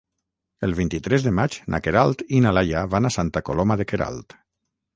El vint-i-tres de maig na Queralt i na Laia van a Santa Coloma de Queralt.